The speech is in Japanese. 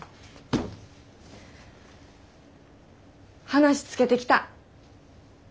話つけてきた。